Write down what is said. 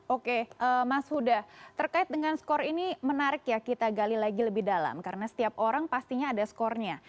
oke mas huda terkait dengan skor ini menarik ya kita gali lagi lebih dalam karena setiap orang pastinya ada skornya